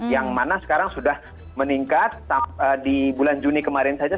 yang mana sekarang sudah meningkat di bulan juni kemarin saja